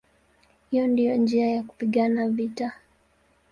Hiyo ndiyo njia ya kupigana vita".